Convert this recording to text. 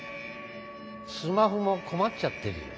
スマホも困っちゃってるよ。